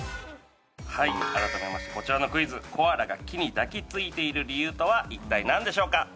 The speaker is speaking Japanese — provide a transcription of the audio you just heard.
はい改めましてこちらのクイズコアラが木に抱きついている理由とは一体何でしょうか？